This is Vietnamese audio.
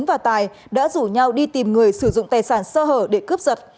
các đối tượng đã rủ nhau đi tìm người sử dụng tài sản sơ hở để cướp giật